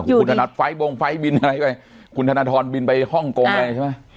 คุณธนัดไฟล์บงไฟล์บินอะไรไปคุณธนทรบินไปฮ่องกงอะไรใช่ไหม